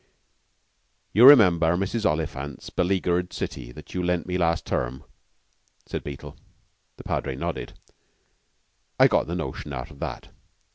"You remember Mrs. Oliphant's 'Beleaguered City' that you lent me last term?" said Beetle. The Padre nodded. "I got the notion out of that.